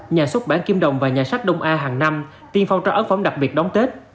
nhà xuất bản kim đồng và nhà sách đông a hàng năm tiên phong ra ấn phẩm đặc biệt đón tết